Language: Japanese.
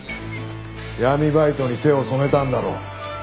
闇バイトに手を染めたんだろ。